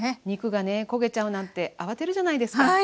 肉がね焦げちゃうなんてあわてるじゃないですか。